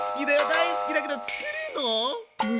大好きだけど作るの？